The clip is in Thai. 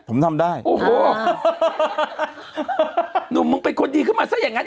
ผมทำได้โอ้โหหนุ่มมึงเป็นคนดีขึ้นมาซะอย่างนั้น